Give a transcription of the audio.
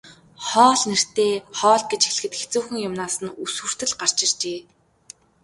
Хоол нэртэй хоол гэж хэлэхэд хэцүүхэн юмнаас нь үс хүртэл гарч иржээ.